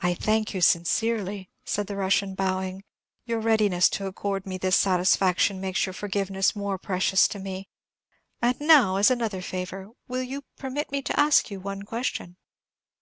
"I thank you sincerely," said the Russian, bowing; "your readiness to accord me this satisfaction makes your forgiveness more precious to me. And now, as another favor, will you permit me to ask you one question?"